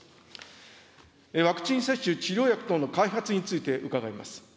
ワクチン接種、治療薬等の開発について、伺います。